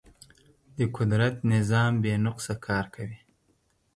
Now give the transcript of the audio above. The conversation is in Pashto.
د قدرت نظام بې نقصه کار کوي.